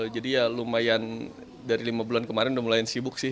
jadi ya lumayan dari lima bulan kemarin udah mulai sibuk sih